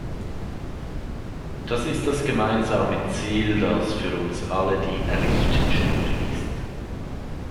Das ist das gemeinsame Ziel, das für uns alle die Richtschnur ist.